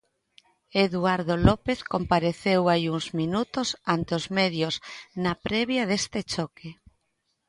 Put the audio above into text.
Eduardo López compareceu hai uns minutos ante os medios na previa deste choque.